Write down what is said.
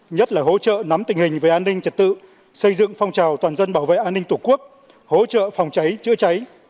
nhất là hỗ trợ nắm tình hình về an ninh trật tự xây dựng phong trào toàn dân bảo vệ an ninh tổ quốc hỗ trợ phòng cháy chữa cháy